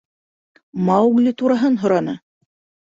— Маугли тураһын һораны.